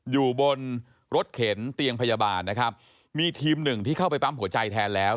อยู่บนรถเข็นเตียงพยาบาลนะครับมีทีมหนึ่งที่เข้าไปปั๊มหัวใจแทนแล้ว